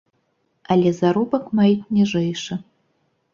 Але заробак маюць ніжэйшы.